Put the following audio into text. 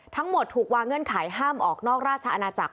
ทั้งหมดถูกวางเงื่อนไขห้ามออกนอกราชอาณาจักร